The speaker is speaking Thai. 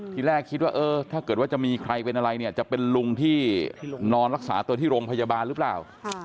ทีแรกคิดว่าเออถ้าเกิดว่าจะมีใครเป็นอะไรเนี่ยจะเป็นลุงที่นอนรักษาตัวที่โรงพยาบาลหรือเปล่า